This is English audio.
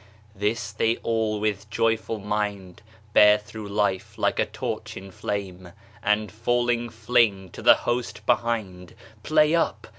This they all with a joyful mind Bear through life like a torch in flame, And falling fling to the host behind "Play up!